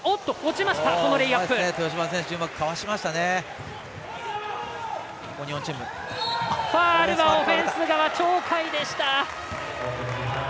ファウルはオフェンス側鳥海でした。